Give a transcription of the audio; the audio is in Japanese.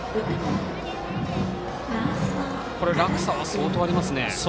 落差は相当ありますね。